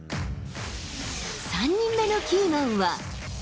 ３人目のキーマンは。